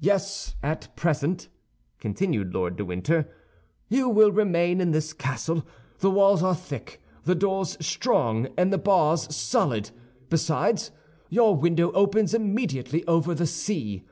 "Yes, at present," continued Lord de Winter, "you will remain in this castle. The walls are thick, the doors strong, and the bars solid; besides, your window opens immediately over the sea.